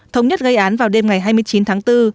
thống nhất gây án vào đêm ngày hai mươi chín tháng bốn